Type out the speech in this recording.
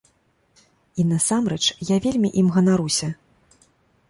І, насамрэч, я вельмі ім ганаруся.